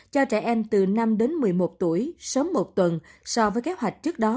cho trẻ em từ năm đến một mươi một tuổi sớm một tuần so với kế hoạch trước đó